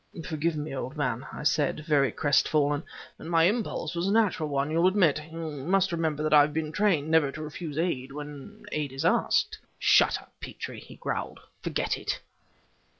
"Forgive me, old man," I said, very crestfallen, "but my impulse was a natural one, you'll admit. You must remember that I have been trained never to refuse aid when aid is asked." "Shut up, Petrie!" he growled; "forget it."